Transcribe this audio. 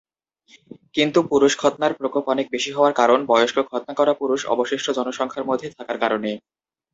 কিন্তু পুরুষ খৎনার প্রকোপ অনেক বেশি হওয়ার কারণ, বয়স্ক খৎনা করা পুরুষ- অবশিষ্ট জনসংখ্যার মধ্যে থাকার কারণে।